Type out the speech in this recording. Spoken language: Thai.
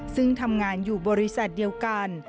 ซึ่งทำงานอยู่บริษัทเดียวกัน